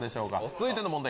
続いての問題